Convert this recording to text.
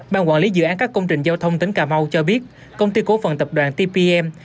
ban quản lý dự án các công trình giao thông tỉnh cà mau cho biết công ty cổ phần tập đoàn tbm